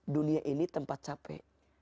dunia ini tempat capek